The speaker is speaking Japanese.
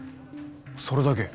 それだけ？